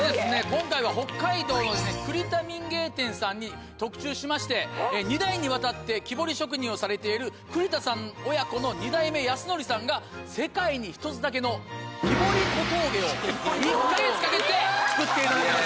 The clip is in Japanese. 今回は北海道の栗田民芸店さんに特注しまして二代にわたって木彫り職人をされている栗田さん親子の二代目康則さんが世界に一つだけの。を１か月かけて作っていただきました。